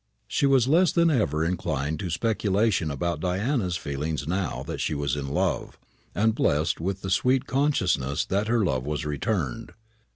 She was less than ever inclined to speculation about Diana's feelings now that she was in love, and blest with the sweet consciousness that her love was returned.